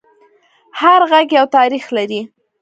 هر غږ یو تاریخ لري